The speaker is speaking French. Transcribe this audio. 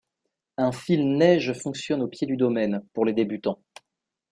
Un fil-neige fonctionne au pied du domaine, pour les débutants.